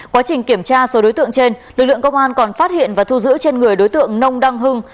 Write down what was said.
quá trình kiểm tra số đối tượng trên lực lượng công an còn phát hiện và thu giữ trên người đối tượng nông đăng hưng